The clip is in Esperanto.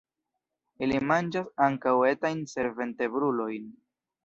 Ili manĝas ankaŭ etajn senvertebrulojn.